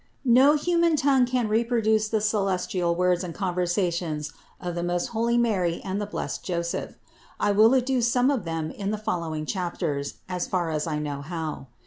421. No human tongue can reproduce the celestial words and conversations of the most holy Mary and the blessed Joseph. I will adduce some of them in the fol lowing chapters, as far as I know how.